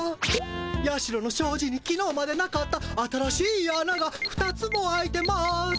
社のしょうじにきのうまでなかった新しいあなが２つも開いてます。